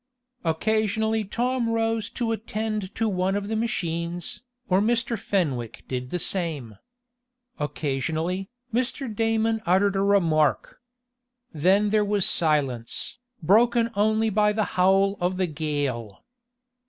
Occasionally Tom rose to attend to one of the machines, or Mr. Fenwick did the same. Occasionally, Mr. Damon uttered a remark. Then there was silence, broken only by the howl of the gale.